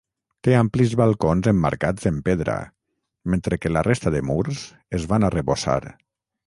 Té amplis balcons emmarcats en pedra mentre que la resta de murs es van arrebossar.